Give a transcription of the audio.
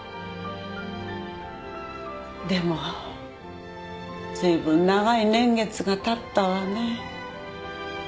でもずいぶん長い年月がたったわね。